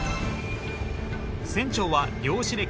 船長は漁師歴